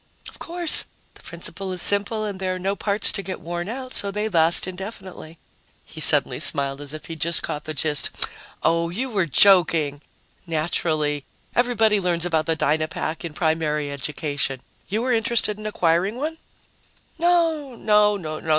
"Of course. The principle is simple and there are no parts to get worn out, so they last indefinitely." He suddenly smiled as if he'd just caught the gist. "Oh, you were joking! Naturally everybody learns about the Dynapack in primary education. You were interested in acquiring one?" "No, no.